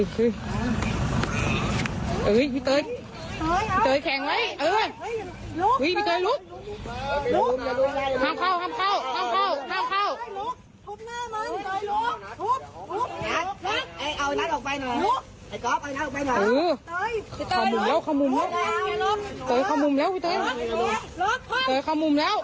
ไปเร็วข้าวนี้กะ